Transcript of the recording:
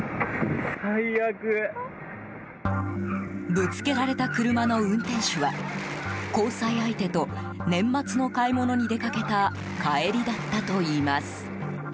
ぶつけられた車の運転手は交際相手と年末の買い物に出かけた帰りだったといいます。